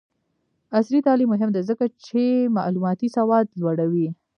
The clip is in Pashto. عصري تعلیم مهم دی ځکه چې معلوماتي سواد لوړوي.